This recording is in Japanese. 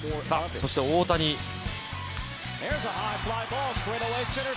そして大谷です。